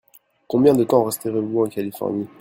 Combien de temps resterez-vous en Californie ?